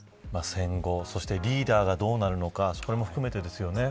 戦後、そしてリーダーがどうなるのかこれも含めてですよね。